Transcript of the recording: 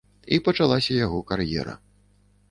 І пачалася яго кар'ера.